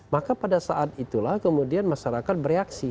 maka pada saat itulah kemudian masyarakat bereaksi